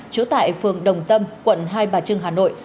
trú tại phường đồng tâm quận hai bà trưng hà nội